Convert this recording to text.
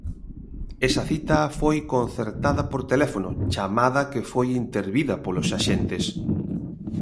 Esa cita foi concertada por teléfono, chamada que foi intervida polos axentes.